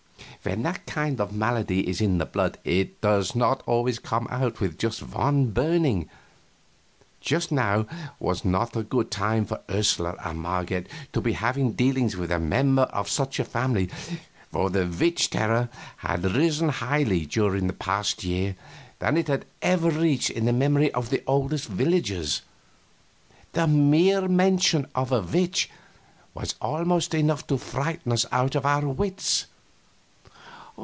When that kind of a malady is in the blood it does not always come out with just one burning. Just now was not a good time for Ursula and Marget to be having dealings with a member of such a family, for the witch terror had risen higher during the past year than it had ever reached in the memory of the oldest villagers. The mere mention of a witch was almost enough to frighten us out of our wits.